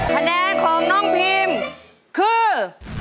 คะแนนของน้องพีมคือ